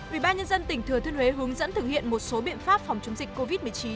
ủy ban nhân dân tỉnh thừa thuyên huế hướng dẫn thực hiện một số biện pháp phòng chống dịch covid một mươi chín